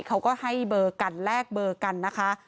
เขาก็ให้เบอร์กันแลกเบอร์กันนะคะ